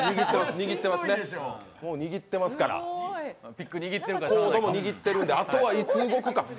もう握ってますからコードも握ってるからあとは、いつ動くか。